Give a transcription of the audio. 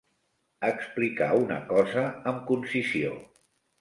Explicar una cosa amb concisió.